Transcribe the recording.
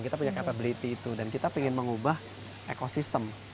kita punya capability itu dan kita ingin mengubah ekosistem